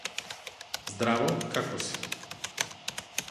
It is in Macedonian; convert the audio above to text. Здраво. Како си?